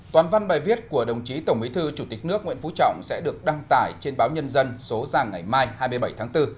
toàn văn bài viết của đồng chí tổng bí thư chủ tịch nước nguyễn phú trọng sẽ được đăng tải trên báo nhân dân số ra ngày mai hai mươi bảy tháng bốn